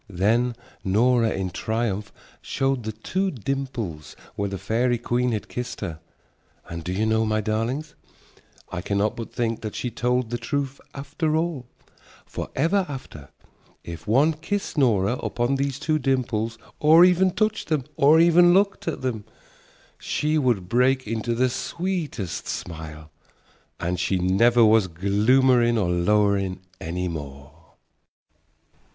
Then Nora in triumph showed the two dimples where the fairy queen had kissed her. And do you know, my darlings, I cannot but think that she told the truth after all, for ever after, if one kissed Nora upon those two dimples or even touched them or even looked at them, she would break into the sweetest smile, and she never was gloomerin' or lowerin' any more.